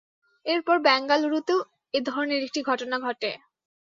এরপর বেঙ্গালুরুতেও এ ধরনের একটি ঘটনা ঘটে।